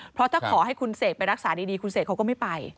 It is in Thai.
เพราะถ้าขอให้คุณเสกไปรักษาดีคุณเสกเขาก็ไม่ไป